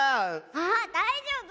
あだいじょうぶ。